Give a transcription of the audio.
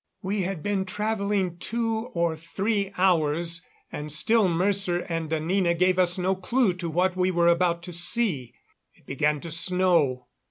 We had been traveling two or three hours, and still Mercer and Anina gave us no clew to what we were about to see. It began to snow.